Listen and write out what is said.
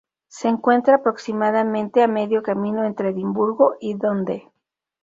Se encuentra aproximadamente a medio camino entre Edimburgo y Dundee.